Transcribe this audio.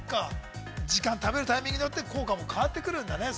時間、食べるタイミングによって効果も変わってくるんだね。